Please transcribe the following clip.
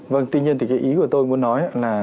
vâng tuy nhiên thì cái ý của tôi muốn nói là